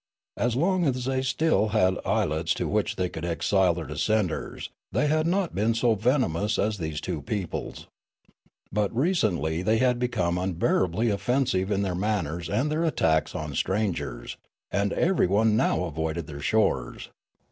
As long as they still had islets to which they could exile their dissenters they had not been so venomous as these two peoples. But re centlj' they had become unbearably offensive in their manners and their attacks on strangers, and everyone now avoided their shores.